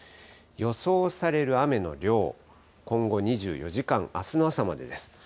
予想される雨の量、今後２４時間、あすの朝までです。